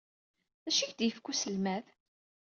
D acu ay ak-d-yefka uselmad?